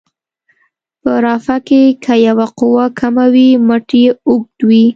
په رافعه کې که یوه قوه کمه وي مټ یې اوږد وي.